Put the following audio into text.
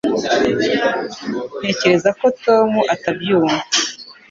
Ntekereza ko Tom atabyumva